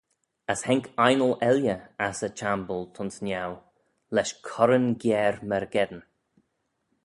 As haink ainle elley ass y chiamble t'ayns niau, lesh corran gyere myrgeddin.